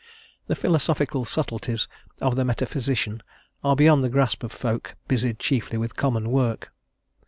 The philosophical subtleties of the metaphysician are beyond the grasp of folk busied chiefly with common work.